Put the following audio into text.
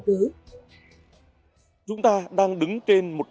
phủ nhận hoàn toàn những luận điệu xuyên tạp vô căn cứ